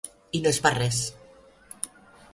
I no és per res.